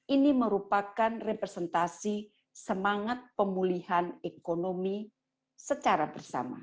ini merupakan representasi semangat pemulihan ekonomi secara bersama